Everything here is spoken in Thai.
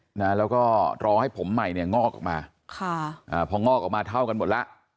นะแล้วก็รอให้ผมใหม่เนี่ยงอกออกมาค่ะอ่าพองอกออกมาเท่ากันหมดแล้ว